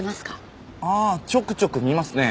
ああちょくちょく見ますね。